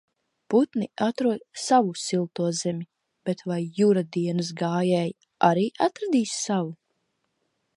Putni atrod savu silto zemi, bet vai Jura dienas gājēji arī atradīs savu?